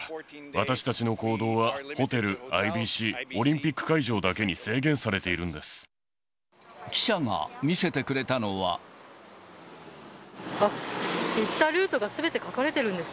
私たちの行動は、ホテル、ＩＢＣ、オリンピック会場だけに制限されているんです。